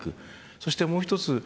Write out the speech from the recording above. そして、もう一つ。